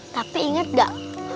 tapi inget gak